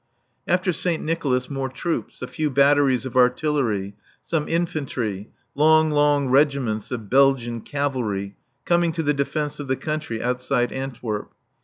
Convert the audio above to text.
After Saint Nicolas more troops, a few batteries of artillery, some infantry, long, long regiments of Belgian cavalry, coming to the defence of the country outside Antwerp.